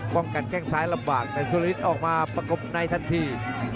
ป้องกันแก้งซ้ายระหว่างแต่สุริริตรออกมาประกบในทันที